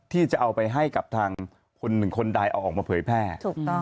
ที่จะเอาไปให้กับทางคนหรือคนได้ออกมาเผยแพร่